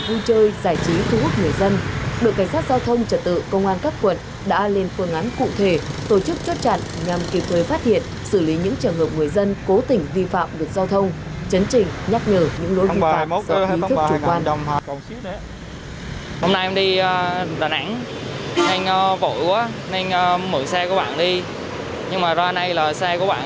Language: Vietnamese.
vui chơi giải trí thu hút người dân bộ cảnh sát giao thông trật tự công an các quận đã lên phương án cụ thể tổ chức chốt chặn nhằm kịp thuê phát hiện xử lý những trường hợp người dân cố tình vi phạm được giao thông chấn trình nhắc nhở những lối vi phạm do ý thức chủ quan